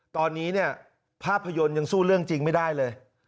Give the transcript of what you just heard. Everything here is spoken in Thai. ตอนนี้เนี่ยภาพยนตร์ยังสู้เรื่องจริงไม่ได้เลย